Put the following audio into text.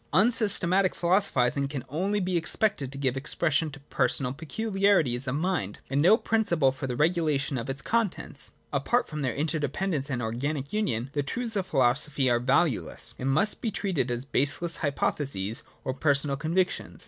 Unsystematic philosophising can only be expected to give expression to personal peculiarities of mind, and has no principle for the regulation of its contents. Apart from their interdependence and or ganic union, the truths of philosophy are valueless, and must then be treated as baseless hypotheses, or personal convictions.